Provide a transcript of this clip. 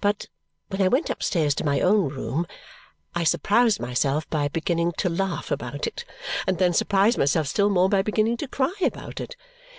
But, when I went upstairs to my own room, I surprised myself by beginning to laugh about it and then surprised myself still more by beginning to cry about it.